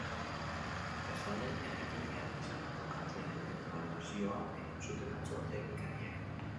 Bestalde, eraikinean izandako kalteen lehen balorazioa egin zuten atzo teknikariek.